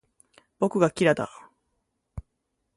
僕がキラだ